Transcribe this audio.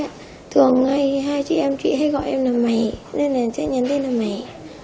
bình thường hai chị em chị hay gọi em là mày nên là chắc nhắn tin là mày